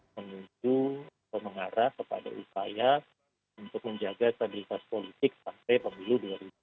menuju atau mengarah kepada upaya untuk menjaga stabilitas politik sampai pemilu dua ribu dua puluh